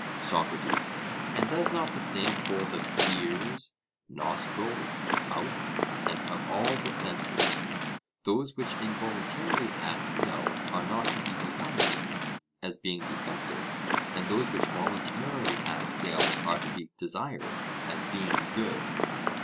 SOCRATES: And does not the same hold of ears, nostrils, mouth, and of all the senses those which involuntarily act ill are not to be desired, as being defective; and those which voluntarily act ill are to be desired as being good?